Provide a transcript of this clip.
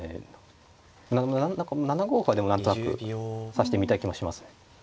何か７五歩はでも何となく指してみたい気もします。